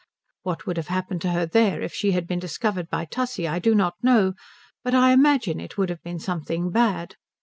What would have happened to her there if she had been discovered by Tussie I do not know, but I imagine it would have been something bad.